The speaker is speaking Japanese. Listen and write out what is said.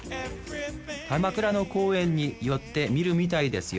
鎌倉の公園に寄ってみるみたいですよ